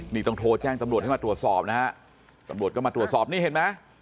นี่ต้องโทรแจ้งตำรวจให้มาตรวจสอบนะฮะตำรวจก็มาตรวจสอบนี่เห็นไหม